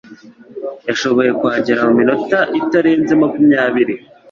yashoboye kuhagera mu minota itarenze makumyabiri.